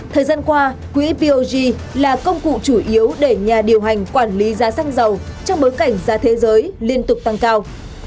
thời gian qua quỹ pog là công cụ chủ yếu để nhà điều hành quản lý giá sang giàu trong bối cảnh giá thế giới liên tục tăng cao